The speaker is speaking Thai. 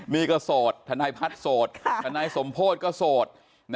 นี่ก็โสดทนายพัฒน์โสดทนายสมโพธิก็โสด